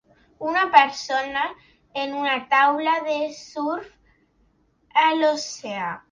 Una persona en una taula de surf a l'oceà